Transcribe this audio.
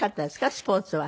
スポーツは。